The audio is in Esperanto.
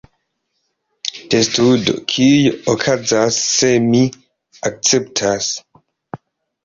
Testudo: "Kio okazas se mi akceptas?"